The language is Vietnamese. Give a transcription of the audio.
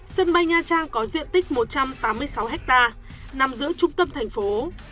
sân bay nha trang có diện tích một trăm tám mươi sáu ha nằm giữa trung tâm thành phố